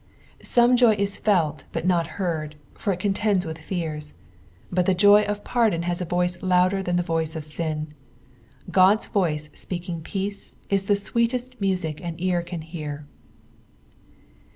Some ju; is felt but not heard, for it contends with fears ; but the joy of pardon has a voice louder than (he voice of sin. God's voice speaking peace is the sweetest music an ear can hear.